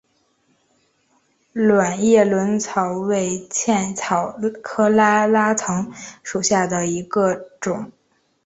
卵叶轮草为茜草科拉拉藤属下的一个种。